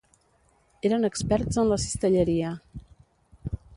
Eren experts en la cistelleria.